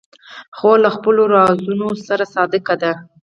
خور له خپلو رازونو سره صادقه ده.